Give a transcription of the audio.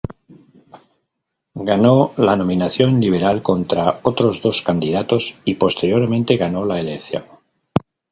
Ganó la nominación Liberal contra otros dos candidatos y, posteriormente, ganó la elección.